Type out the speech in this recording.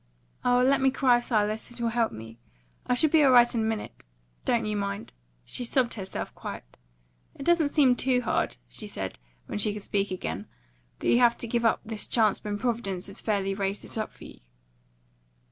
"Oh, let me cry, Silas! It'll help me. I shall be all right in a minute. Don't you mind." She sobbed herself quiet. "It does seem too hard," she said, when she could speak again, "that you have to give up this chance when Providence had fairly raised it up for you."